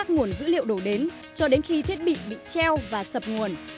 các nguồn dữ liệu đổ đến cho đến khi thiết bị bị treo và sập nguồn